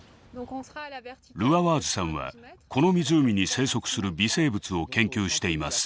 ルアワーズさんはこの湖に生息する微生物を研究しています。